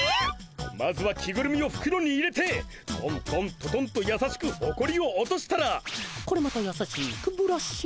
まずは着ぐるみをふくろに入れてトントントトンとやさしくほこりを落としたらこれまたやさしくブラッシングだ。